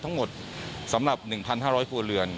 ทั้งหมดสำหรับ๑๕๐๐ครัวเรือน